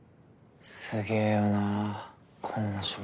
すげぇよなこんな芝居。